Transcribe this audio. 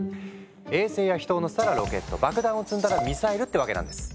衛星や人を乗せたらロケット爆弾を積んだらミサイルってわけなんです。